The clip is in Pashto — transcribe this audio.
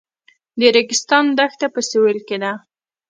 د ریګستان دښته په سویل کې ده